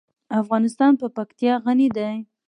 افغانستان په پکتیا غني دی.